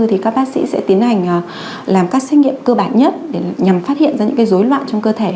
thì các bác sĩ sẽ tiến hành làm các xét nghiệm cơ bản nhất để nhằm phát hiện ra những dối loạn trong cơ thể